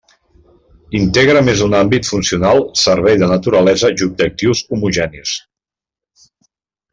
Integra més d'un àmbit funcional servei de naturalesa i objectius homogenis.